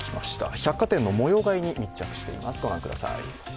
百貨店の模様替えに密着しています。